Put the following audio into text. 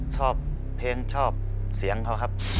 ชอบเพลงชอบเสียงเขาครับ